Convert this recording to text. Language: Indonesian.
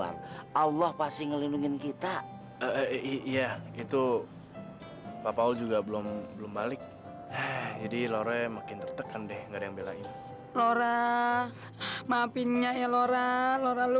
tapi inget kan waktu papi ngasih kartu kredit itu